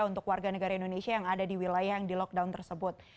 untuk warga negara indonesia yang ada di wilayah yang di lockdown tersebut